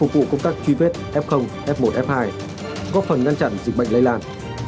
vụ công tác truy vết f f một f hai góp phần ngăn chặn dịch bệnh lây lan